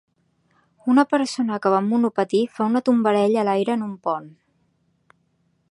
Una persona que va amb monopatí fa una tombarella a l'aire en un pont.